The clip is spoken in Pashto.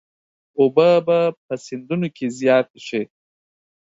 اوبه به په سیندونو کې زیاتې شي.